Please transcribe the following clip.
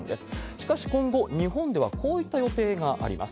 しかし、今後、日本ではこういった予定があります。